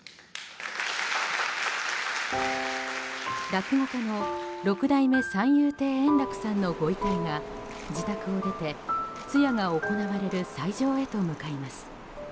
落語家の六代目三遊亭円楽さんのご遺体が自宅を出て、通夜が行われる斎場へと向かいます。